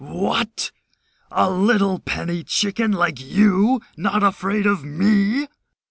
"What, a little penny chicken like you not afraid of me!"